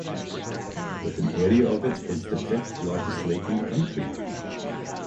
With an area of it is the fifth largest lake in the country.